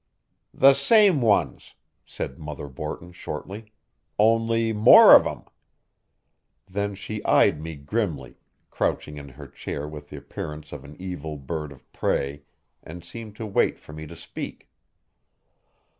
"The same ones," said Mother Borton shortly, "only more of 'em." Then she eyed me grimly, crouching in her chair with the appearance of an evil bird of prey, and seemed to wait for me to speak.